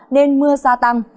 nên mưa xa tăng